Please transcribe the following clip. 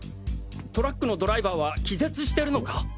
トラックのドライバーは気絶してるのか？